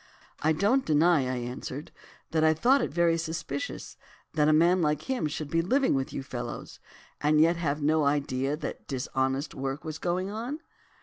"'I don't deny,' I answered, 'that I thought it very suspicious that a man like him should be living with you fellows, and yet have no idea that dishonest work was going on?